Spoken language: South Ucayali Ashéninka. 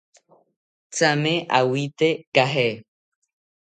Thame owite caje